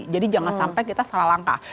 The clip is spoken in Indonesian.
jadi jangan sampai kita salah langkah